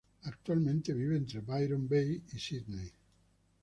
Actualmente vive entre Byron Bay y Sídney.